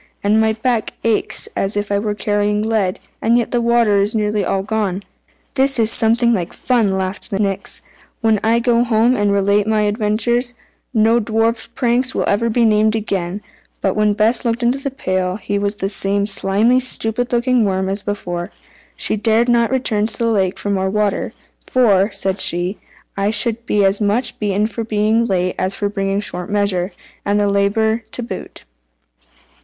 And my back aches as if I were carrying lead, and yet the water is nearly all gone." "This is something like fun!" laughed the Nix. "When I go home and relate my adventures, no dwarfs pranks will be named again!" But when Bess looked into the pail, he was the same slimy, stupid looking worm as before. She dared not return to the lake for more water "for," said she, "I should be as much beaten for being late as for bringing short measure, and have the labour to boot."